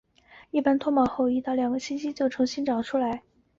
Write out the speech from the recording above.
一般脱毛后在一到两个星期毛就回重新长出来。